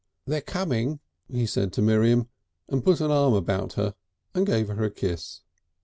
"They're coming," he said to Miriam, and put an arm about her and gave her a kiss.